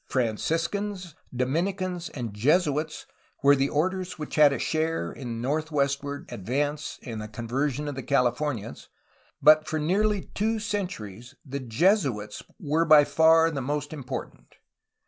The Franciscans, Dominicans, and Jesuits were the orders which had a share in northwestward ad vance and the conversion of the Californias, but for nearly two centuries the Jesuits were by far the most important.